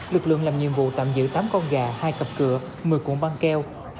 lực lượng làm nhiệm vụ tạm giữ tám con gà hai cặp cửa một mươi cuộn băng keo